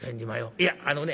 いやあのね